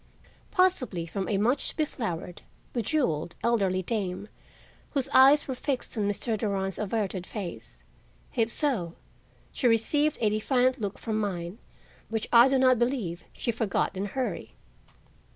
Possibly from a much beflowered, bejeweled, elderly dame, whose eyes were fixed on Mr. Durand's averted face. If so, she received a defiant look from mine, which I do not believe she forgot in a hurry.